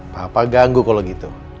papa ganggu kalau gitu